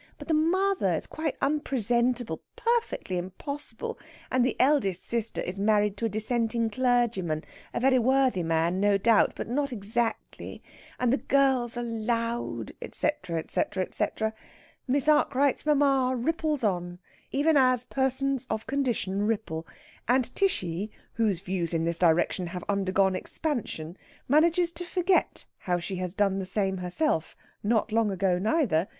But the mother is quite unpresentable, perfectly impossible. And the eldest sister is married to a Dissenting clergyman a very worthy man, no doubt, but not exactly. And the girls are loud, etc., etc., etc." Miss Arkwright's mamma ripples on, even as persons of condition ripple; and Tishy, whose views in this direction have undergone expansion, manages to forget how she has done the same herself not long ago, neither!